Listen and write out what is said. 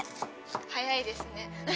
速いですね。